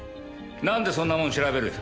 なんでそんなもん調べる？